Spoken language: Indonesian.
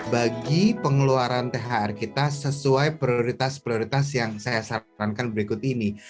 bagi pengeluaran thr kita sesuai prioritas prioritas yang saya sarankan berikut ini